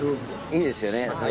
いいですよね。